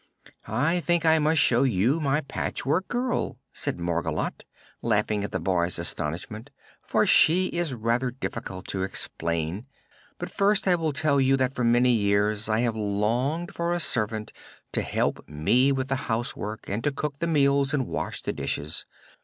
"I think I must show you my Patchwork Girl," said Margolotte, laughing at the boy's astonishment, "for she is rather difficult to explain. But first I will tell you that for many years I have longed for a servant to help me with the housework and to cook the meals and wash the dishes.